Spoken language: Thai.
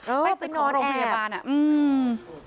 เออเป็นของโรงพยาบาลอ่ะอืมเออเป็นของโรงพยาบาล